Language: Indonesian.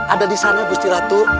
ada disana gusti ratu